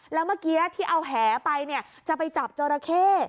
แล้วเมื่อกี้ที่เอาแห่ไปจะไปจับจรเข้